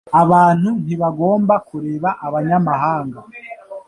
Abantu ntibagomba kureba abanyamahanga.